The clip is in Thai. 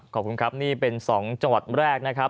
ขอบคุณครับนี่เป็น๒จังหวัดแรกนะครับ